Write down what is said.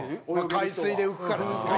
海水で浮くからですか？